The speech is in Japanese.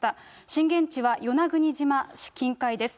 震源地は与那国島近海です。